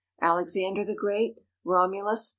Alexander the Great. Romulus.